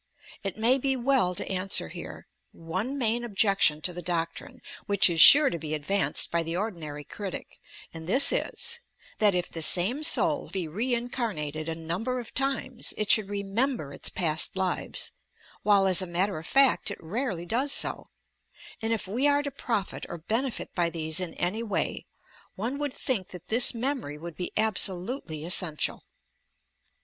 It may be well to answer here one main objection to the doctrine which is sure to be ad vanced by the ordinary critic, and this is, that, if the same soul be reincarnated a number of times, it should remember its past lives, — while as a matter of fact it rarely does so, and if we are to profit or benefit by these in any way, one would think that this memory would be absolutely essential.